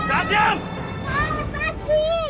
dia kayak begitu sendiri